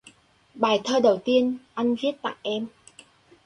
Bài thơ đầu tiên anh viết tặng em